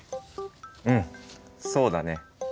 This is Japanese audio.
うんそうだね。